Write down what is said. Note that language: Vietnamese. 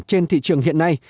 trên thị trường hiện nay